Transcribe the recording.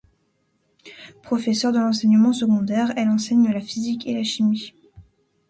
Professeure de l'enseignement secondaire, elle enseigne la physique et la chimie.